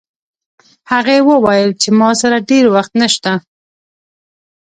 هغې وویل چې ما سره ډېر وخت نشته